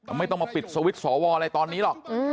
ไม่ต้องมาปิดสวิตช์สวอะไรตอนนี้หรอก